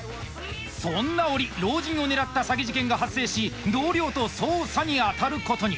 そんな折老人を狙った詐欺事件が発生し同僚と捜査に当たることに。